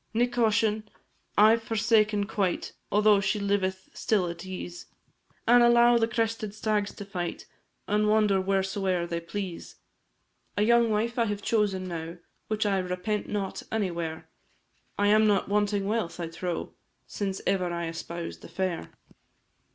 Nic Coisean I 've forsaken quite, Altho' she liveth still at ease An' allow the crested stags to fight And wander wheresoe'er they please, A young wife I have chosen now, Which I repent not any where, I am not wanting wealth, I trow, Since ever I espoused the fair.